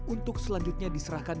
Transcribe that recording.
untuk selanjutnya diserasikan